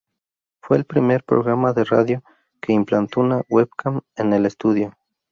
Fue el primer programa de radio que implantó una "webcam" en el estudio.